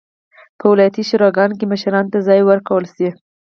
په ولایتي شوراګانو کې مشرانو ته ځای ورکړل شي.